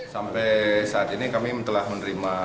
sampai saat ini kami telah menerima